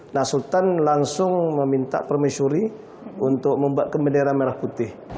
nah sultan langsung meminta permain suri untuk membuat ke bendera merah putih